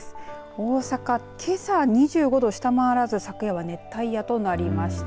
大阪けさは２５度を下回らず昨夜は熱帯夜となりました。